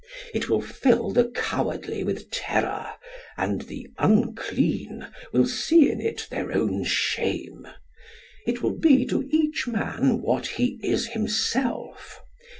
It will fill the cowardly with terror, and the unclean will see in it their own shame. It will be to each man what he is himself.